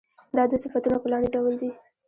دا دوه صفتونه په لاندې ډول دي.